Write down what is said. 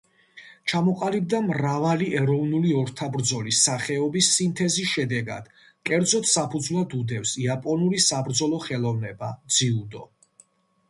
ჩამოყალიბდა მრავალი ეროვნული ორთაბრძოლის სახეობის სინთეზის შედეგად, კერძოდ საფუძვლად უდევს იაპონური საბრძოლო ხელოვნება ძიუდო.